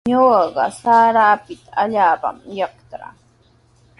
Ñuqaqa sara apita allaapami yatraa.